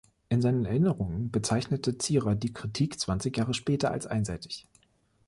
In seinen Erinnerungen bezeichnete Zierer die Kritik zwanzig Jahre später als einseitig.